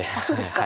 はい。